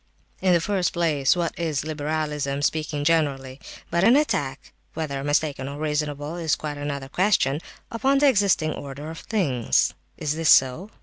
"In the first place, what is liberalism, speaking generally, but an attack (whether mistaken or reasonable, is quite another question) upon the existing order of things? Is this so?